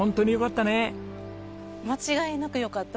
間違いなくよかった。